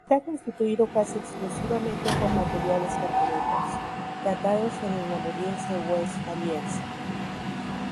Está constituido casi exclusivamente por materiales carboníferos, datados en el Namuriense-Westfaliense.